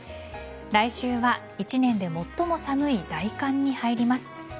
来週は１年で最も寒い大寒に入ります。